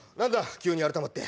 急に改まって。